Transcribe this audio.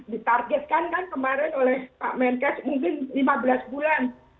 ditargetkan kan kemarin oleh pak menkes mungkin lima belas bulan